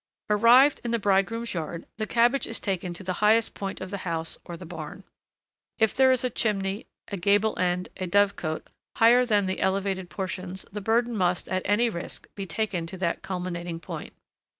Arrived in the bridegroom's yard, the cabbage is taken to the highest point of the house or the barn. If there is a chimney, a gable end, a dove cote higher than the other elevated portions, the burden must, at any risk, be taken to that culminating point.